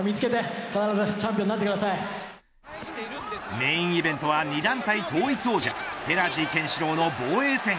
メインイベントは２団体統一王者寺地拳四朗の防衛戦。